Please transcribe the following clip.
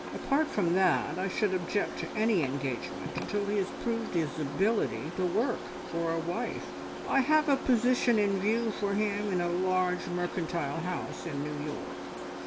Apart from that, I should object to any engagement until he has proved his ability to work for a wife. I have a position in view for him in a large mercantile house in New York.